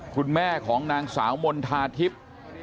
คุณแม่ของนางสาวมณฑาทิพย์